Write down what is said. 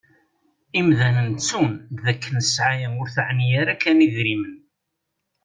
Imdanen ttun d akken sɛaya ur teɛni ara kan idrimen.